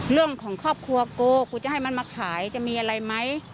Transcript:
เรื่องของครอบครัวกูกูจะให้มันมาขายจะมีอะไรไหม